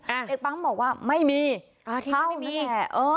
อ่าเด็กปั๊มบอกว่าไม่มีอ่าเที่ยงไม่มีเข้าแหละเออ